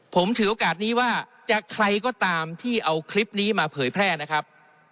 ผมถือโอกาสนี้ว่าจะใครก็ตามที่เอาคลิปนี้มาเผยแพร่นะครับ